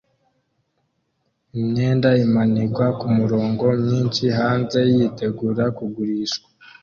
Imyenda imanikwa kumurongo myinshi hanze yiteguye kugurishwa